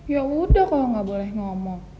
ya udah kalau nggak boleh ngomong